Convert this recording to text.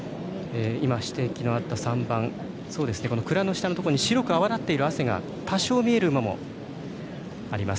指摘のあった３番鞍の下のところに白く泡立っている汗が多少、目立っている馬もいます。